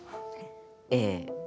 ええ。